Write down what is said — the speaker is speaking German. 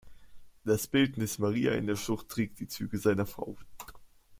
Das "Bildnis Maria in der Schlucht" trägt die Züge seiner Frau.